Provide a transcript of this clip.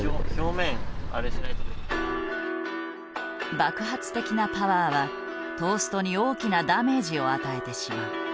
爆発的なパワーはトーストに大きなダメージを与えてしまう。